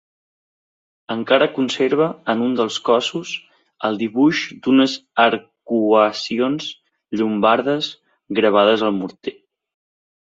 Encara conserva en un dels cossos el dibuix d'unes arcuacions llombardes gravades al morter.